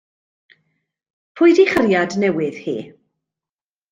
Pwy 'di 'i chariad newydd hi?